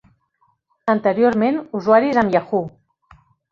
Anteriorment, usuaris amb Yahoo!